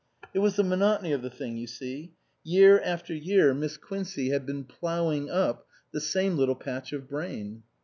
It was the monotony of the thing, you see ; year after year Miss Quincey had been ploughing up the same little patch of brain.